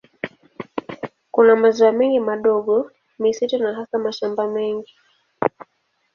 Kuna maziwa mengi madogo, misitu na hasa mashamba mengi.